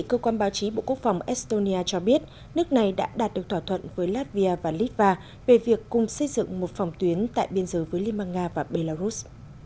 cơ quan báo chí bộ quốc phòng estonia cho biết nước này đã đạt được thỏa thuận với latvia và litva về việc cùng xây dựng một phòng tuyến tại biên giới với liên bang nga và belarus